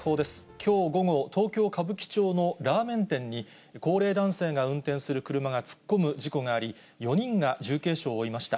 きょう午後、東京・歌舞伎町のラーメン店に、高齢男性が運転する車が突っ込む事故があり、４人が重軽傷を負いました。